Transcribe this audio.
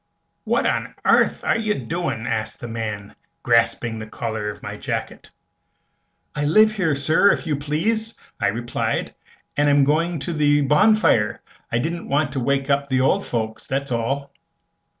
"What on airth air you a doin'?" asked the man, grasping the collar of my jacket. "I live here, sir, if you please," I replied, "and am going to the bonfire. I didn't want to wake up the old folks, that's all."